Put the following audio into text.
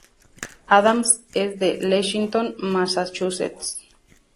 Adams es de Lexington, Massachusetts.